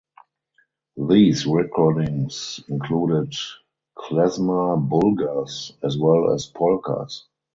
These recordings included klezmer "bulgars" as well as polkas.